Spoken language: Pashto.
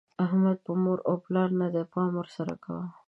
احمد په مور او پلار نه دی؛ پام ور سره کوه.